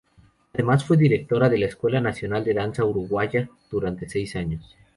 Además fue directora de la Escuela Nacional de Danza uruguaya durante seis años.